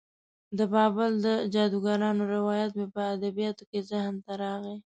د بابل د جادوګرانو روایت مې په ادبیاتو کې ذهن ته راغی.